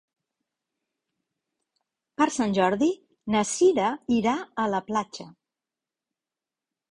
Per Sant Jordi na Sira irà a la platja.